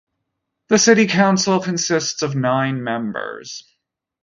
The city council consists of nine members.